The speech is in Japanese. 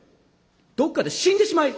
どっかで死んでしまい！